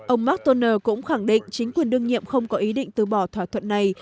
ông martoner cũng khẳng định chính quyền đương nhiệm không có ý định từ bỏ thỏa thuận này